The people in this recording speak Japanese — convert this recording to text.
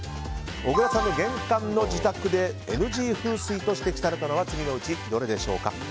小倉さんの自宅玄関でＮＧ風水と指摘されたのは次のうちどれでしょう？